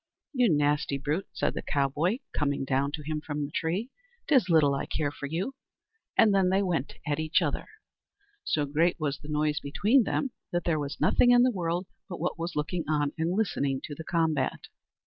"You nasty brute," said the cowboy, coming down to him from the tree, "'tis little I care for you"; and then they went at each other. So great was the noise between them that there was nothing in the world but what was looking on and listening to the combat.